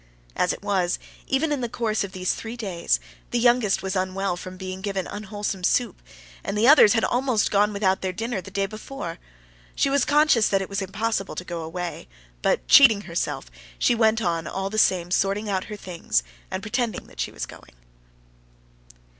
As it was, even in the course of these three days, the youngest was unwell from being given unwholesome soup, and the others had almost gone without their dinner the day before. She was conscious that it was impossible to go away; but, cheating herself, she went on all the same sorting out her things and pretending she was going.